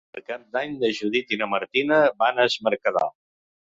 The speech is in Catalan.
Per Cap d'Any na Judit i na Martina van a Es Mercadal.